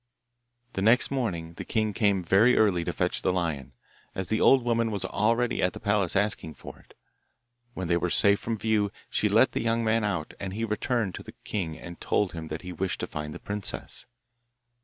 The next morning the king came very early to fetch the lion, as the old woman was already at the palace asking for it. When they were safe from view she let the young man out, and he returned to the king and told him that he wished to find the princess.